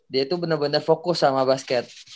dia itu bener bener fokus sama basket